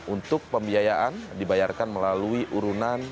untuk pembiayaan dibayarkan melalui urunan